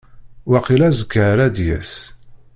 Waqil azekka ara d-yas.